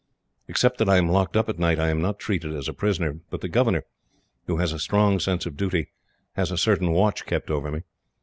"Except that I am locked up at night, I am not treated as a prisoner; but the governor, who has a strong sense of duty, has a certain watch kept over me.